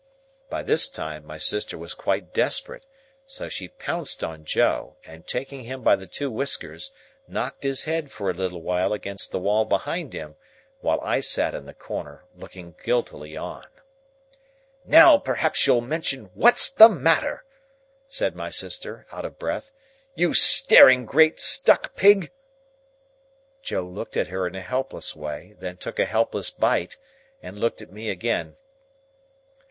By this time, my sister was quite desperate, so she pounced on Joe, and, taking him by the two whiskers, knocked his head for a little while against the wall behind him, while I sat in the corner, looking guiltily on. "Now, perhaps you'll mention what's the matter," said my sister, out of breath, "you staring great stuck pig." Joe looked at her in a helpless way, then took a helpless bite, and looked at me again.